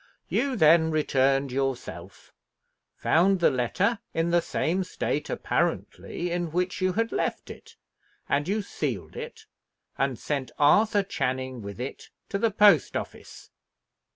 You then returned yourself; found the letter in the same state, apparently, in which you had left it, and you sealed it, and sent Arthur Channing with it to the post office.